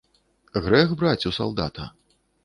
Грэх браць у салдата.